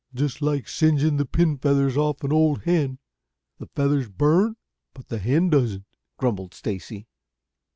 "Just like singeing the pin feathers off an old hen the feathers burn, but the hen doesn't," grumbled Stacy.